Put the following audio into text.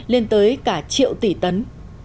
lên tới cả triệu tỷ tấn